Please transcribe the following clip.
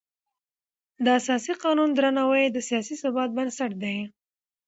د اساسي قانون درناوی د سیاسي ثبات بنسټ دی